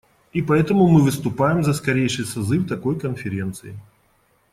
И поэтому мы выступаем за скорейший созыв такой конференции.